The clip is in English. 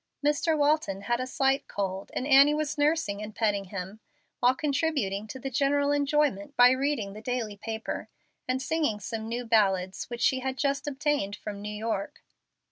Mr. Walton had a slight cold, and Annie was nursing and petting him, while contributing to the general enjoyment by reading the daily paper and singing some new ballads which she had just obtained from New York.